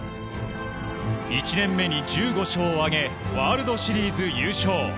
１年目に１５勝を挙げワールドシリーズ優勝。